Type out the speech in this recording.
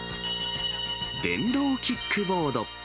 電動キックボード。